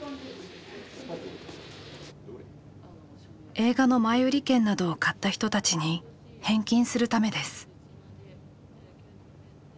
映画の前売り券などを買った人たちに返金するためです。